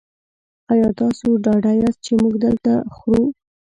ایا تاسو ډاډه یاست چې موږ دلته خورو؟